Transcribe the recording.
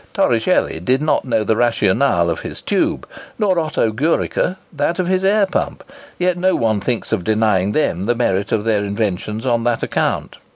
Torricelli did not know the rationale of his tube, nor Otto Gürike that of his air pump; yet no one thinks of denying them the merit of their inventions on that account.